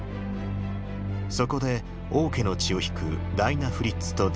そこで王家の血を引くダイナ・フリッツと出会い結婚。